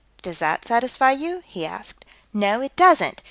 "Does that satisfy you?" he asked. "No, it doesn't.